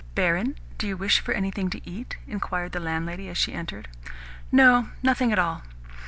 "Barin, do you wish for anything to eat?" inquired the landlady as she entered. "No, nothing at all.